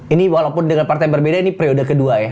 ini walaupun dengan partai yang berbeda ini periode kedua ya